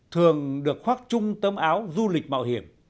thường được khoác trung tâm áo du lịch mạo hiểm